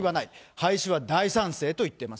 廃止は大賛成と言っています。